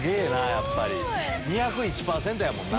やっぱり２０１％やもんな。